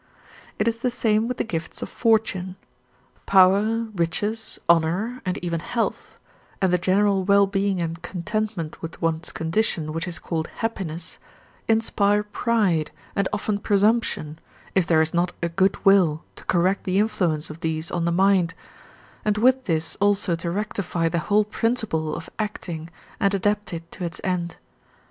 It is the same with the gifts of fortune. Power, riches, honour, even health, and the general well being and contentment with one's condition which is called happiness, inspire pride, and often presumption, if there is not a good will to correct the influence of these on the mind, and with this also to rectify the whole principle of acting and adapt it to its end.